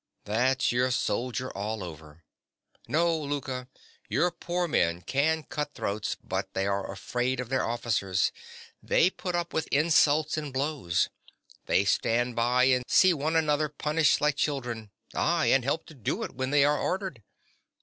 That's your soldier all over! No, Louka, your poor men can cut throats; but they are afraid of their officers; they put up with insults and blows; they stand by and see one another punished like children— aye, and help to do it when they are ordered.